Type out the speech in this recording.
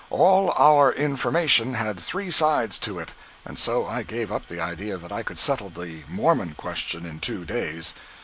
All our "information" had three sides to it, and so I gave up the idea that I could settle the "Mormon question" in two days.